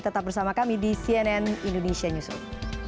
tetap bersama kami di cnn indonesia newsroom